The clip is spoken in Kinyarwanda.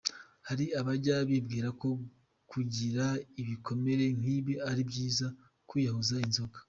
Hari abajya bibwira ko gukira ibikomere nk’ibi ari byiza kwiyahuza inzoga.